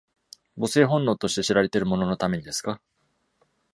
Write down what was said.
母性本能として知られているもののためにですか？